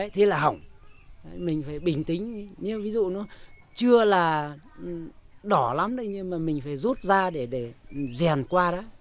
thế là hỏng mình phải bình tĩnh nhưng ví dụ nó chưa là đỏ lắm đây nhưng mà mình phải rút ra để rèn qua đó